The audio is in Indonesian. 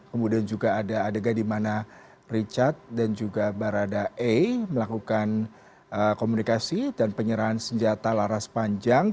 kemudian juga ada adegan di mana richard dan juga barada e melakukan komunikasi dan penyerahan senjata laras panjang